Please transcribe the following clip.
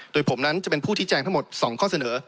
โดยผมนั้นจะเป็นผู้ที่แจงทั้งหมด๒ข้อเสนอ